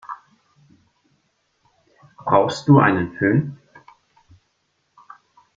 Brauchst du einen Fön?